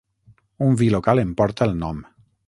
Un vi local en porta el nom.